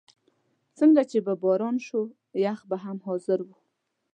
څنګه چې به باران شو، یخ به هم حاضر شو.